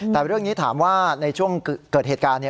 แต่เรื่องนี้ถามว่าในช่วงเกิดเหตุการณ์เนี่ย